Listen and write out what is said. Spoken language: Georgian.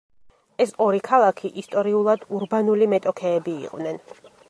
ეს ორი ქალაქი ისტორიულად ურბანული მეტოქეები იყვნენ.